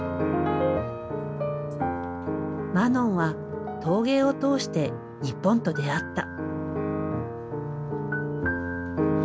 マノンは陶芸を通して日本と出会った。